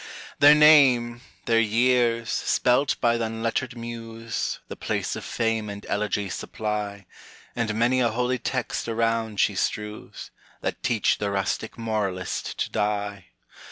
Their name, their years, spelt by th' unlettered muse, The place of fame and elegy supply; And many a holy text around she strews, That teach the rustic moralist to die.